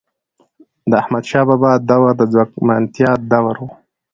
د احمدشاه بابا دور د ځواکمنتیا دور و.